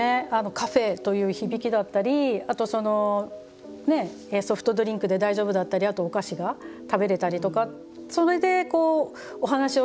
カフェという響きだったりあと、ソフトドリンクで大丈夫だったりあと、お菓子が食べれたりとか。